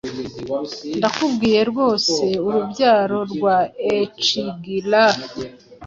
Ndakubwiye rwoseurubyaro rwa Ecglaf